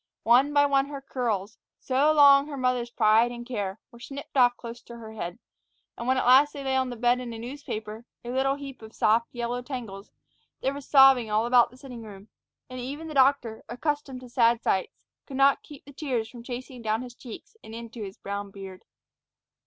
One by one her curls, so long her mother's pride and care, were snipped off close to her head; and when at last they lay on the bed in a newspaper, a little heap of soft, yellow tangles, there was sobbing all about in the sitting room, and even the doctor, accustomed to sad sights, could not keep the tears from chasing down his cheeks and into his brown beard.